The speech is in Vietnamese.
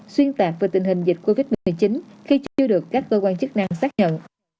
xuyên tạc về tình hình dịch covid một mươi chín khi chưa được các cơ quan chức năng xác nhận